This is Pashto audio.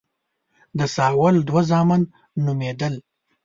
د ساول دوه زامن نومېدل.